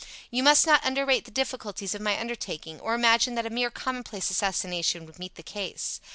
You must not underrate the difficulties of my undertaking, or imagine that a mere commonplace assassination would meet the case.